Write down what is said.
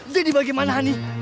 jadi bagaimana ani